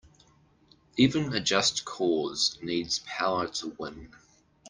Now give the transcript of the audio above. Even a just cause needs power to win.